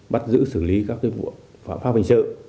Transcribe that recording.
bắt giữ xử lý các vụ phạm pháp hình sự